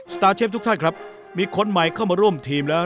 ตาร์เชฟทุกท่านครับมีคนใหม่เข้ามาร่วมทีมแล้ว